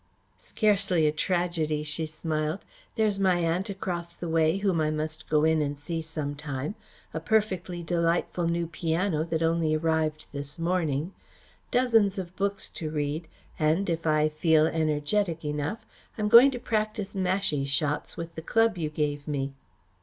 "Scarcely a tragedy," she smiled. "There's my aunt across the way whom I must go in and see some time, a perfectly delightful new piano that only arrived this morning, dozens of books to read and, if I feel energetic enough, I am going to practise mashie shots with the club you gave me."